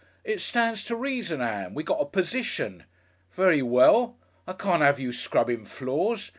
"It stands to reason, Ann, we got a position. Very well! I can't 'ave you scrubbin' floors.